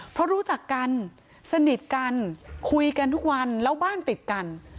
เพราะรู้จักกันสนิทกันคุยกันทุกวันแล้วบ้านติดกัน